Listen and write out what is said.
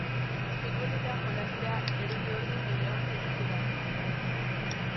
futbolera jolastea erdi ordu gehiago gelditu gera